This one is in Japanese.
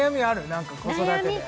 何か子育てで悩み